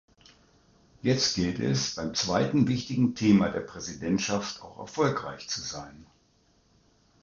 Jetzt gilt es, beim zweiten wichtigen Thema der Präsidentschaft auch erfolgreich zu sein.